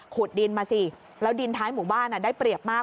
ดินมาสิแล้วดินท้ายหมู่บ้านได้เปรียบมาก